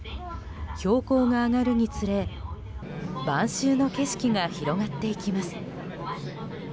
標高が上がるにつれ晩秋の景色が広がっていきます。